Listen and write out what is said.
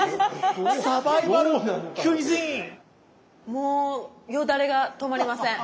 もうよだれが止まりません。